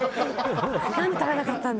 なんで食べなかったんだ。